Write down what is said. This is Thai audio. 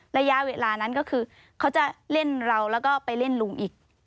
ระยะเวลานั้นก็คือเขาจะเล่นเราแล้วก็ไปเล่นลุงอีก